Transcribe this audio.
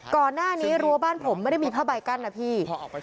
ก่อนหน้านี้รั้วบ้านผมไม่ได้มีผ้าใบกั้นนะพี่